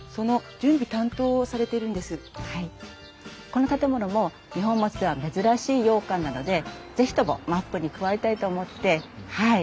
この建物も二本松では珍しい洋館なので是非ともマップに加えたいと思ってはい。